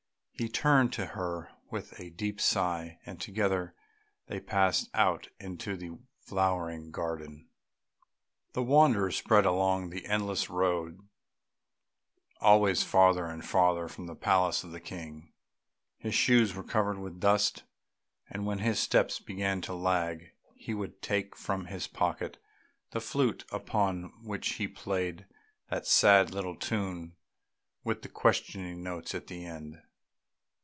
He turned to her with a deep sigh, and together they passed out into the flowering garden. The wanderer sped along the endless road always farther and farther from the palace of the King. His shoes were covered with dust, and when his steps began to lag he would take from his pocket the flute upon which he played that sad little tune with the questioning notes at the end.